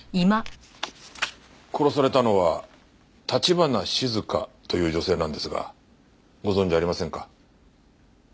殺されたのは橘静香という女性なんですがご存じありませんか？